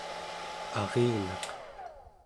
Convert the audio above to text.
arinaq